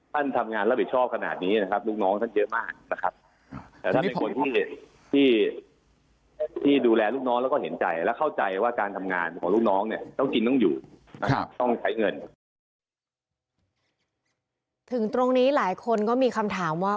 ท่านทำงานแล้วผิดชอบขนาดนี้นะครับลูกน้องท่านเจอมากนะครับ